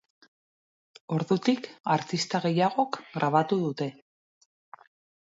Ordutik, artista gehiagok grabatu dute.